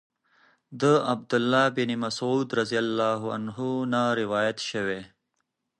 د عبد الله بن مسعود رضی الله عنه نه روايت شوی